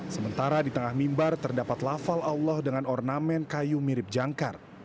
sementara di tengah mimbar terdapat lafal allah dengan ornamen kayu mirip jangkar